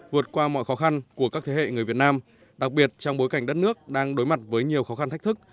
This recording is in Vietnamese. vượt qua mọi khó khăn của các thế hệ người việt nam đặc biệt trong bối cảnh đất nước đang đối mặt với nhiều khó khăn thách thức